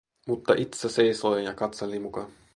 Mutta itse seisoi, ja katseli muka.